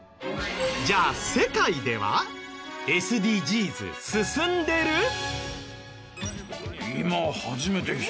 じゃあ世界ではＳＤＧｓ進んでる？